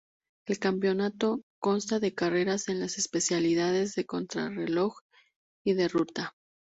El campeonato consta de carreras en las especialidades de contrarreloj y de ruta.